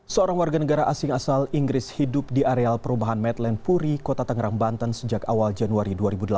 seorang warga negara asing asal inggris hidup di areal perumahan medland puri kota tangerang banten sejak awal januari dua ribu delapan belas